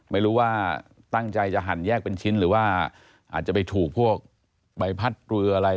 ไม่รู้ว่าตั้งใจจะหั่นแยกเป็นชิ้นหรือว่าอาจจะไปถูกพวกใบพัดเรืออะไร